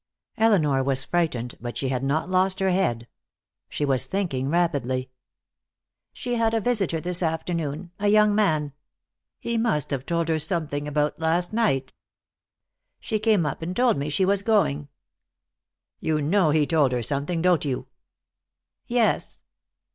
Elinor was frightened, but she had not lost her head. She was thinking rapidly. "She had a visitor this afternoon, a young man. He must have told her something about last night. She came up and told me she was going." "You know he told her something, don't you?" "Yes."